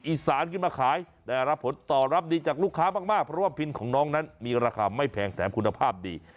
อีสานขึ้นมาขายได้รับผลตอบรับดีจากลูกค้ามากเพราะว่าพินของน้องนั้นมีราคาไม่แพงแถมคุณภาพดี